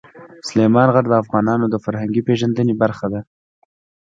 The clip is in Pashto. سلیمان غر د افغانانو د فرهنګي پیژندنې برخه ده.